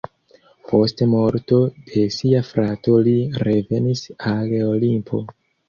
Post morto de sia frato li revenis al Olimpo.